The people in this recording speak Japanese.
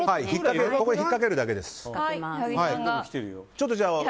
ここに引っ掛けるだけです。